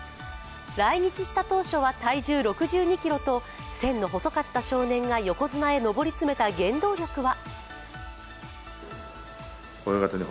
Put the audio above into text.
来日した当初は体重６２ｋｇと線の細かった少年が横綱へ上り詰めた原動力は。